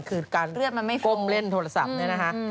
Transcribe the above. คือการก้มเล่นโทรศัพท์เนี่ยนะฮะ